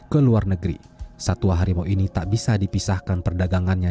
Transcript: ke luar negeri satwa harimau ini tak bisa dipisahkan perdagangannya